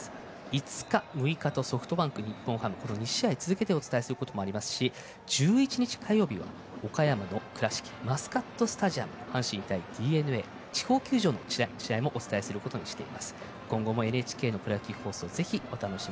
５日、６日ソフトバンク対日本ハム２試合続けてお伝えすることもありますし１１日火曜日は岡山県倉敷市マスカットスタジアム阪神対ＤｅＮＡ地方球場もお楽しみください。